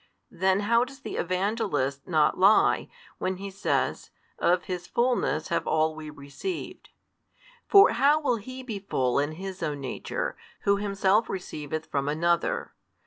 Then how does the Evangelist not lie, when he says, Of His fulness have all we received? For how will He be full in His Own Nature, Who Himself receiveth from Another?